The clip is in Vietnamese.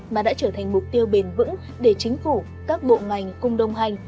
mà đã trở thành mục tiêu bền vững để chính phủ các bộ ngành cùng đồng hành